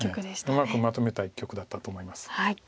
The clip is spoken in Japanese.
うまくまとめた一局だったと思います。